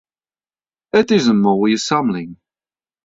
It is in moaie samling.